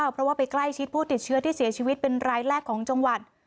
เพราะว่าไปใกล้ชิดผู้ติดเชื้อที่เสียชีวิตเป็นรายแรกของจังหวัด